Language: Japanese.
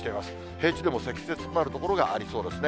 平地でも積雪になる所がありそうですね。